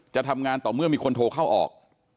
จะทำงานต่อเมื่อมีคนโทรเข้าออก